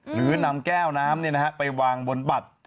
หรือนำแก้วน้ำไปวางบนบัตร